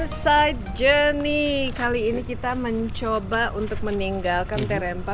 dalam perjalanan belakang kali ini kita dicoba untuk meninggalkan terempa mussolini